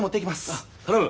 ああ頼む。